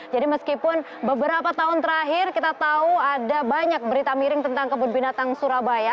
jadi meskipun beberapa tahun terakhir kita tahu ada banyak berita miring tentang kebun binatang surabaya